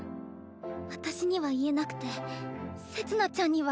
私には言えなくてせつ菜ちゃんには！